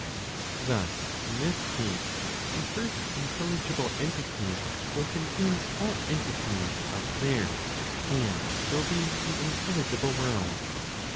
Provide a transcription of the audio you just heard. Thus, in this case, the first intelligible entity will contain all entities up there, and will be the intelligible world.